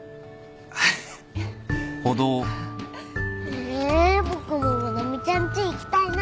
え僕もまなみちゃんち行きたいな。